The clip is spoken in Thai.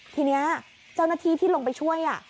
ทีนี้เจ้าหน้าที่ที่ลงไปช่วย